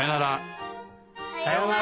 さようなら。